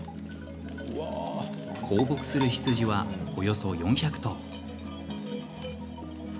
放牧する羊は、およそ４００頭。